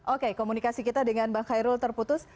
oke komunikasi kita dengan bang khairul terputus